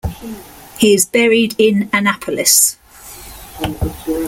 He is buried in Annapolis.